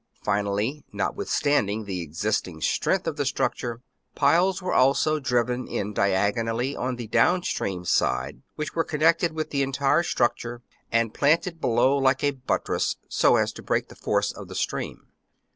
Finally, notwithstanding the existing strength of the structure, piles were also driven in diagonally on the down stream side, which were connected with the entire structure and planted below like a buttress, so as to break the force of the stream.